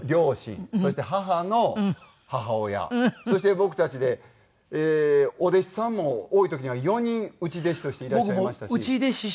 そして僕たちでえーお弟子さんも多い時には４人内弟子としていらっしゃいましたし。